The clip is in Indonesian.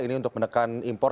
ini untuk menekan impor